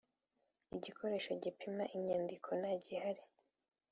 Igikoresho gipima inyandiko ntagihari.